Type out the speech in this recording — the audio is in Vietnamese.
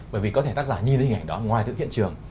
bởi vì có thể tác giả nhìn thấy hình ảnh đó ngoài thực hiện trường